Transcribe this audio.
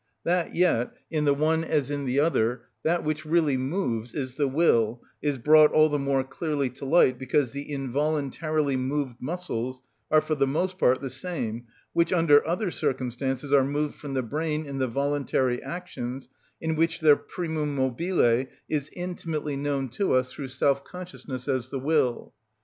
That yet, in the one as in the other, that which really moves is the will is brought all the more clearly to light because the involuntarily moved muscles are for the most part the same which, under other circumstances, are moved from the brain in the voluntary actions, in which their primum mobile is intimately known to us through self consciousness as the will.